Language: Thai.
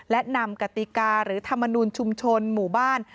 และนำกติกาหรือธรรมนูลชุมชนหมู่บ้าน